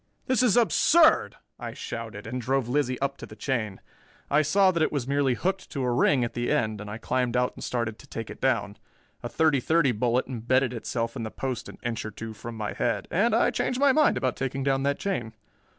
"This is absurd," I shouted, and drove Lizzie up to the chain. I saw that it was merely hooked to a ring at the end, and I climbed out and started to take it down. A thirty thirty bullet embedded itself in the post an inch or two from my head, and I changed my mind about taking down that chain.